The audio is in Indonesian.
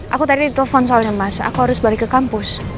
aku tadi ditelepon soalnya mas aku harus balik ke kampus